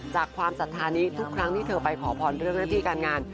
จากความสัทธานี่ทุกครั้งที่เธอไปขอพรพญาณพี่การงาน